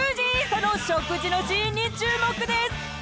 ［その食事のシーンに注目です］